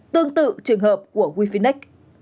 tương tự trường hợp của wefinex